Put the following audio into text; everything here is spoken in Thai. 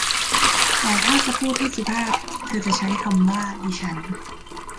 แต่ถ้าจะพูดให้สุภาพ เธอจะใช้คำว่าดิฉัน